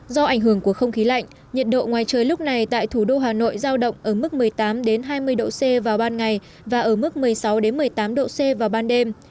do ảnh hưởng của không khí lạnh nhiệt độ ngoài trời lúc này tại thủ đô hà nội giao động ở mức một mươi tám hai mươi độ c vào ban ngày và ở mức một mươi sáu một mươi tám độ c vào ban đêm